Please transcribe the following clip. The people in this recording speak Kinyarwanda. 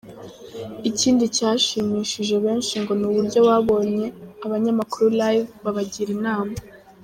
Ikindi cyashimishije benshi ngo ni uburyo babonye aba banyamakuru Live babagira inama.